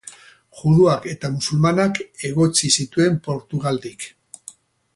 Juduak eta musulmanak egotzi zituen Portugaldik.